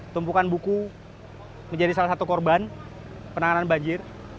tumpukan buku menjadi salah satu korban penanganan banjir